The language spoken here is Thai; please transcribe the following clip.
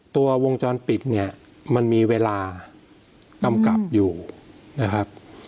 วงจรปิดเนี่ยมันมีเวลากำกับอยู่นะครับ